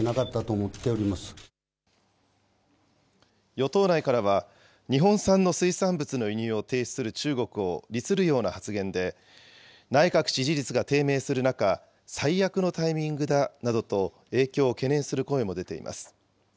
与党内からは、日本産の水産物の輸入を停止する中国を利するような発言で、内閣支持率が低迷する中、最悪のタイミングだなどと、影響を懸念する声も出ています。